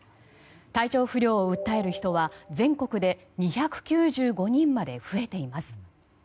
体調不良を訴える人は全国で２９５人にまで増えています。